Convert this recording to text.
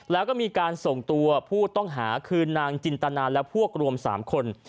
แล้วก็มีการส่งตัวผู้ต้องหาคือนางจินตนาและพวกรวม๓คน